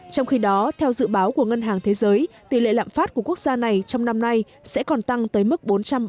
trong khi đó theo dự báo của ngân hàng thế giới tỷ lệ lạm phát của quốc gia này trong năm nay sẽ còn tăng tới mức bốn trăm ba mươi